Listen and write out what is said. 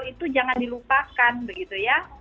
itu jangan dilupakan begitu ya